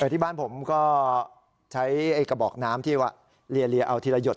ที่บ้านผมก็ใช้กระบอกน้ำที่ว่าเลียเอาทีละหยด